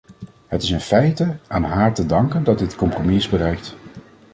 Het is in feite aan haar te danken dat dit compromis is bereikt.